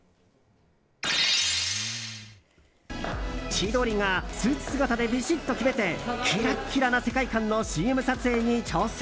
千鳥がスーツ姿でビシッと決めてキラッキラな世界観のＣＭ撮影に挑戦！